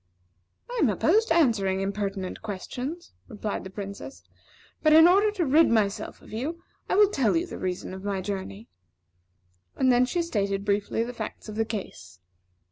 "I am opposed to answering impertinent questions," replied the Princess; "but in order to rid myself of you, I will tell you the reason of my journey." And she then stated briefly the facts of the case.